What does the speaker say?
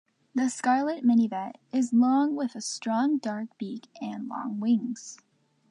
The scarlet minivet is long with a strong dark beak and long wings.